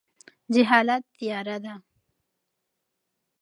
جهالت تیاره ده.